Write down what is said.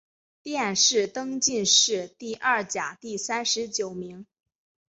殿试登进士第二甲第三十九名。